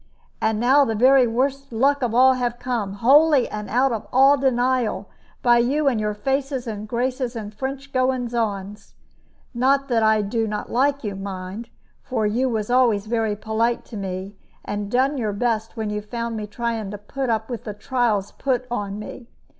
And now the very worst luck of all have come, wholly and out of all denial, by you and your faces and graces and French goings on. Not that I do not like you, mind; for you always was very polite to me, and done your best when you found me trying to put up with the trials put on me.